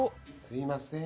すいません。